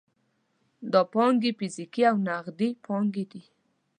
دا پانګې فزیکي او نغدي پانګې دي.